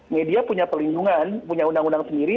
media punya pelindungan punya undang undang sendiri